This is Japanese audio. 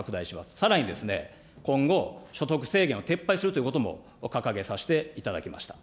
さらにですね、今後、所得制限を撤廃するということも掲げさせていただきました。